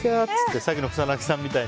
さっきの草なぎさんみたいに。